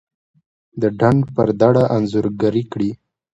دډنډ پر دړه انځورګري کړي